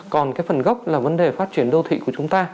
còn cái phần gốc là vấn đề phát triển đô thị của chúng ta